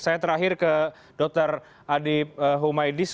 saya terakhir ke dr adib humaydis